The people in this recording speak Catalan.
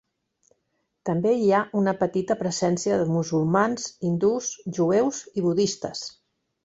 També hi ha una petita presència de musulmans, hindús, jueus i budistes.